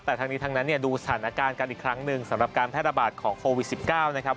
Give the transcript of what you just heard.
แต่ทั้งนี้ทั้งนั้นเนี่ยดูสถานการณ์กันอีกครั้งหนึ่งสำหรับการแพร่ระบาดของโควิด๑๙นะครับ